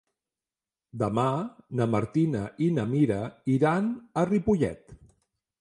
Demà na Martina i na Mira iran a Ripollet.